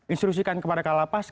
instruisikan kepada kalapas